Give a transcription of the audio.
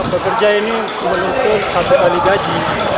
pekerja ini menuntut satu kali gaji